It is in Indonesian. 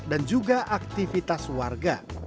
dan juga aktivitas warga